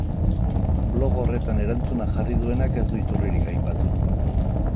Blog horretan erantzuna jarri duenak ez du iturririk aipatu.